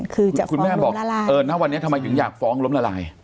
คือจะฟ้องล้มละลายคุณแม่บอกวันนี้ทำไมยังอยากฟ้องล้มละลาย